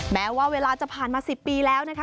แม้ว่าเวลาจะผ่านมา๑๐ปีแล้วนะคะ